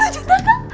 sepuluh juta kak